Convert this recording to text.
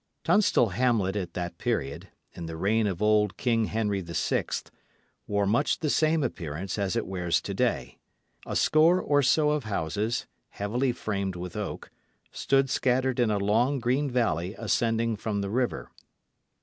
Tunstall hamlet at that period, in the reign of old King Henry VI., wore much the same appearance as it wears to day. A score or so of houses, heavily framed with oak, stood scattered in a long green valley ascending from the river.